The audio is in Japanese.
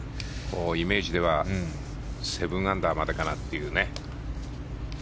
イメージでは７アンダーまでかなというね。